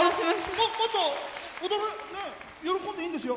もっと喜んでいいんですよ。